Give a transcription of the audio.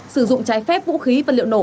sử dụng trái phép vũ khí vật liệu nổ